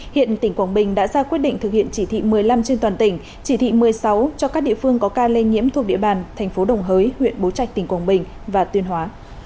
hiện tỉnh quảng bình đã ra quyết định thực hiện chỉ thị một mươi năm trên toàn tỉnh chỉ thị một mươi sáu cho các địa phương có ca lây nhiễm thuộc địa bàn thành phố đồng hới huyện bố trạch tỉnh quảng bình và tuyên hóa